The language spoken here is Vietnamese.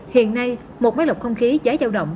hiện nay một máy lọc không khí cháy giao động